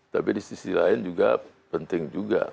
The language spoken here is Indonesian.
tapi di sisi lain juga penting juga